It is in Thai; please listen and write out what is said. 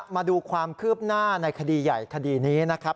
มาดูความคืบหน้าในคดีใหญ่คดีนี้นะครับ